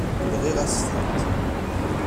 Nɣiɣ-as-tent.